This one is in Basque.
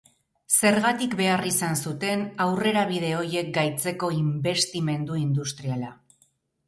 Zergatik behar izan zuten aurrerabide horiek gaitzeko inbestimendu industriala?